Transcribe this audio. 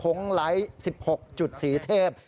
ไลท์๑๖จุดสีเทพ